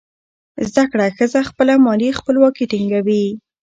زده کړه ښځه خپله مالي خپلواکي ټینګوي.